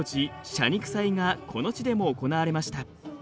謝肉祭がこの地でも行われました。